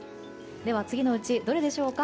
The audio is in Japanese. では、次のうちどれでしょうか。